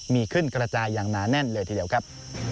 มีขึ้นกระจายอย่างหนาแน่นเลยทีเดียวครับ